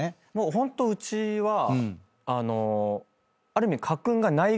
ホントうちはある意味。